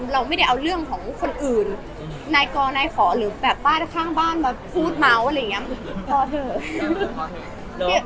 เราไม่ได้เอาเรื่องของคนอื่นนายกอนายขอหรือแบบป้าข้างบ้านมาพูดเมาส์อะไรอย่างนี้พอเถอะ